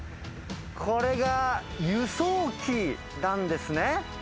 これが輸送機なんですね。